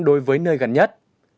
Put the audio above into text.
đối với nơi gần nhất